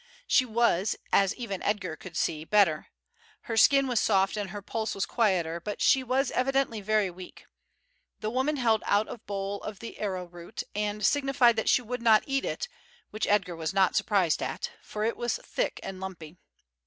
She was, as even Edgar could see, better; her skin was soft and her pulse was quieter, but she was evidently very weak. The woman held out a bowl of the arrow root, and signified that she would not eat it, which Edgar was not surprised at, for it was thick and lumpy.